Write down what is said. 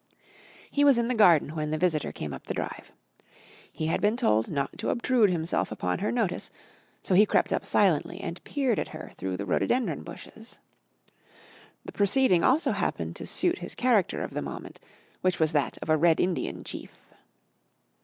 He was in the garden when the visitor came up the drive. He had been told not to obtrude himself upon her notice, so he crept up silently and peered at her through the rhododendron bushes. The proceeding also happened to suit his character of the moment, which was that of a Red Indian chief.